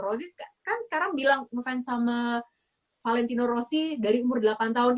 rozi kan sekarang bilang ngefans sama valentino rossi dari umur delapan tahun